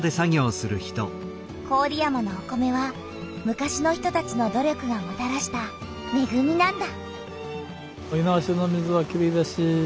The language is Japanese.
郡山のお米は昔の人たちの努力がもたらしためぐみなんだ。